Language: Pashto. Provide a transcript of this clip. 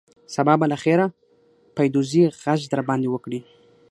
سبا به له خیره پیدوزي غږ در باندې وکړي.